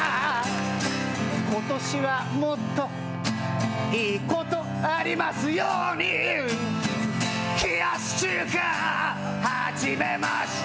今年はもっといいことありますように冷やし中華はじめました